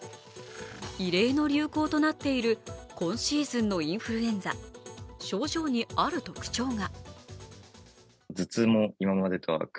異例の流行となっている今シーズンのインフルエンザ症状にある特徴が。